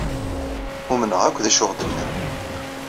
Umneɣ akk d acu i ɣ-d-nnan.